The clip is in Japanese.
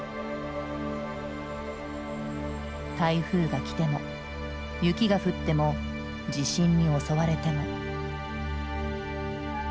台風がきても雪が降っても地震に襲われても。